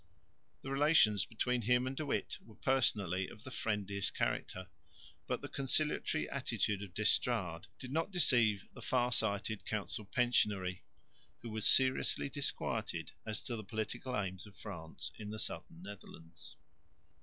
The relations between him and De Witt were personally of the friendliest character, but the conciliatory attitude of D'Estrades did not deceive the far sighted council pensionary, who was seriously disquieted as to the political aims of France in the southern Netherlands.